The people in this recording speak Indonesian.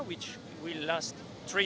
yang akan berlangsung selama tiga hari